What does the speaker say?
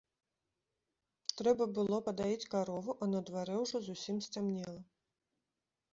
Трэба было падаіць карову, а на дварэ ўжо зусім сцямнела.